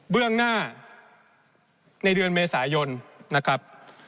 เรื่องหน้าในเดือนเมษายนนะครับ